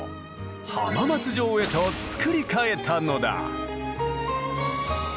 浜松城へと造り替えたのだ。